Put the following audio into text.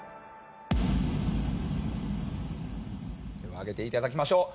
では上げていただきましょう。